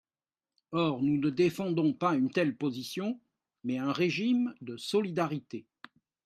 Or nous ne défendons pas une telle position, mais un régime de solidarité.